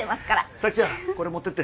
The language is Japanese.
沙希ちゃんこれ持っていって。